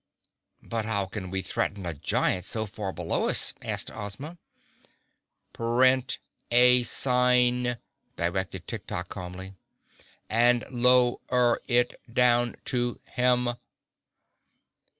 "But how can we threaten a giant so far below us?" asked Ozma. "Print a sign," directed Tik Tok calmly, "and low er it down to him."